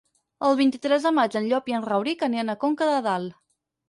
El vint-i-tres de maig en Llop i en Rauric aniran a Conca de Dalt.